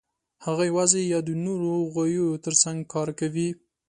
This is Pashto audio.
هغوی یواځې یا د نورو غویو تر څنګ کار کوي.